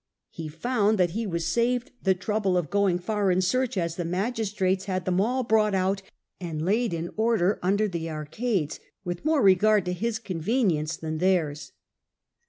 He found that he was saved the trouble of going far in search, as the magistrates had them all brought out and laid in order under the arcades, with more regard to his convenience than theirs.